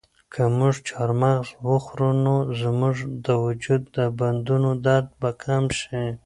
که موږ چهارمغز وخورو نو زموږ د وجود د بندونو درد به کم شي.